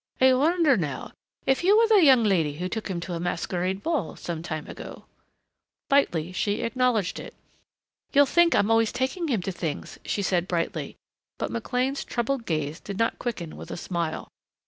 "I wonder, now, if you were the young lady who took him to a masquerade ball some time ago?" Lightly she acknowledged it. "You'll think I'm always taking him to things," she said brightly, but McLean's troubled gaze did not quicken with a smile.